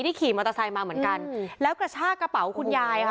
ขี่มอเตอร์ไซค์มาเหมือนกันแล้วกระชากระเป๋าคุณยายค่ะ